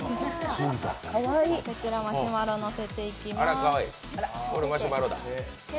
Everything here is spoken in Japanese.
こちらマシュマロ、のせていきます。